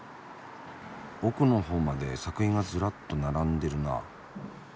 奥のほうまで作品がずらっと並んでるなあ。